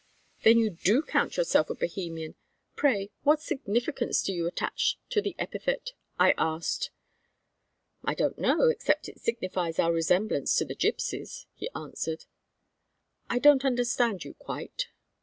"Then you do count yourself a Bohemian: pray, what significance do you attach to the epithet?" I asked. "I don't know, except it signifies our resemblance to the gypsies," he answered. "I don't understand you quite."